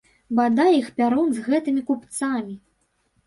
Бадай іх пярун, з гэтымі купцамі!